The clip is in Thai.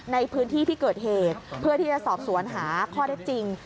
ในพื้นที่ที่เกิดเหตุเพื่อที่จะสอบสวนหาข้อได้จริง